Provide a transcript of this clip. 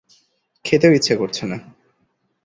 খেতেও ইচ্ছা করছে না।